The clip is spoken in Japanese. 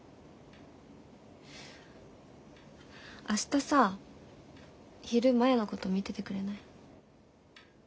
明日さ昼摩耶のこと見ててくれない？